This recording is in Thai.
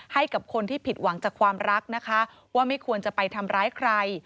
ให้กับคนที่ผิดหวังจากความรักนะคะว่าไม่ควรจะไปทำร้ายใคร